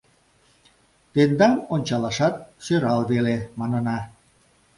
Тендам ончалашат сӧрал веле, манына!